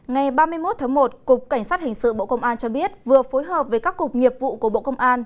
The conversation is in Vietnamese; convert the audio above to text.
ngày ba mươi một tháng một cục cảnh sát hình sự bộ công an cho biết vừa phối hợp với các cục nghiệp vụ của bộ công an